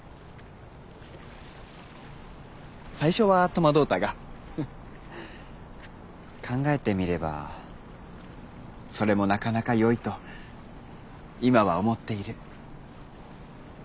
最初は戸惑うたがフッ考えてみればそれもなかなかよいと今は思っている。